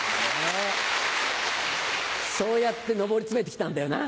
そうやって上り詰めて来たんだよな？